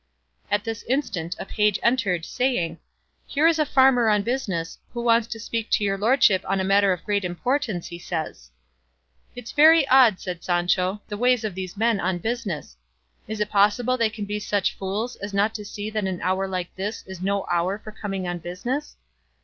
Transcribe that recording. At this instant a page entered saying, "Here is a farmer on business, who wants to speak to your lordship on a matter of great importance, he says." "It's very odd," said Sancho, "the ways of these men on business; is it possible they can be such fools as not to see that an hour like this is no hour for coming on business?